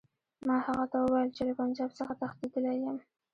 ما هغه ته وویل چې له پنجاب څخه تښتېدلی یم.